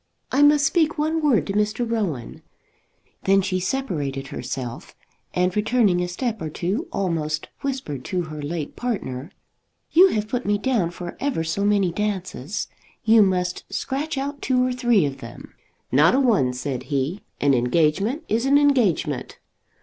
"I must speak one word to Mr. Rowan." Then she separated herself, and returning a step or two almost whispered to her late partner "You have put me down for ever so many dances. You must scratch out two or three of them." "Not one," said he. "An engagement is an engagement."